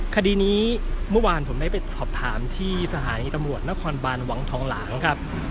คดีนี้เมื่อวานผมได้ไปสอบถามที่สถานีตำรวจนครบานวังทองหลางครับ